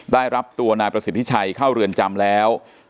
ได้รับตัวนายประสิทธิชัยเข้าเรือนจำแล้ว